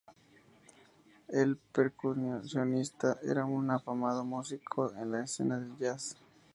El percusionista era un afamado músico en la escena del jazz.